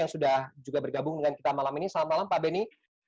yang sudah juga bergabung dengan kita malam ini selamat malam pak beni